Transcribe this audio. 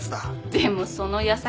でもその矢先。